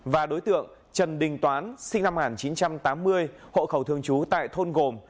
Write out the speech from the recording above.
và đối tượng trần đình toán sinh năm một nghìn chín trăm tám mươi hộ khẩu thường trú tại thôn gồm